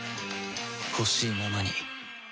ほしいままに